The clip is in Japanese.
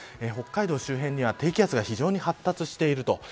北海道周辺には低気圧が非常に発達していると。